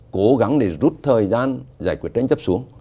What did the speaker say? cố gắng để rút thời gian giải quyết tranh chấp xuống